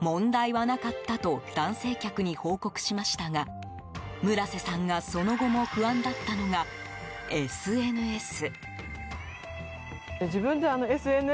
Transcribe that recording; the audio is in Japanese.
問題はなかったと男性客に報告しましたが村瀬さんがその後も不安だったのがＳＮＳ。